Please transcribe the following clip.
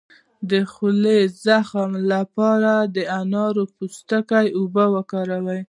د خولې د زخم لپاره د انار د پوستکي اوبه وکاروئ